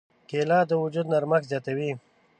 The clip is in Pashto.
کېله د وجود نرمښت زیاتوي.